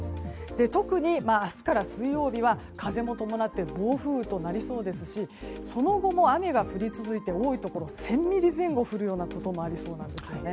特に、明日から水曜日は風も伴って暴風雨となりそうですしその後も雨が降り続いて多いところでは１０００ミリ前後降るようなこともありそうです